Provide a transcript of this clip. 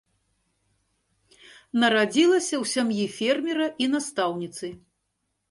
Нарадзілася ў сям'і фермера і настаўніцы.